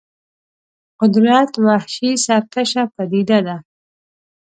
قدرت وحشي سرکشه پدیده ده.